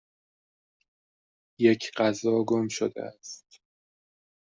یک غذا گم شده است.